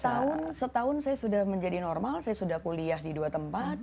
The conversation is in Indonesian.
setahun setahun saya sudah menjadi normal saya sudah kuliah di dua tempat